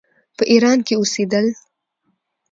په ایران کې اوسېدل.